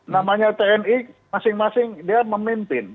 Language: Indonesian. namanya tni masing masing dia memimpin